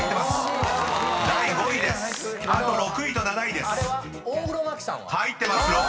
［第５位です。